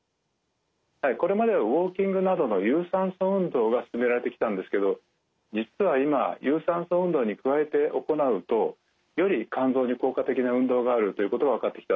これまではウォーキングなどの有酸素運動が勧められてきたんですけど実は今有酸素運動に加えて行うとより肝臓に効果的な運動があるということが分かってきたんですね。